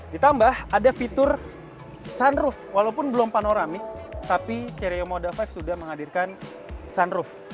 ditambah ada fitur sunroof walaupun belum panoramik tapi cerio moda lima sudah menghadirkan sunroof